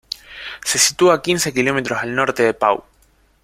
Se sitúa a quince kilómetros al norte de Pau.